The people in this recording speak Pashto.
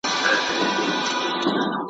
تاته رسیږي له خپله لاسه .